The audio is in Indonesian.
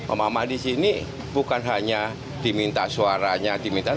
omak omak disini bukan hanya diminta suaranya diminta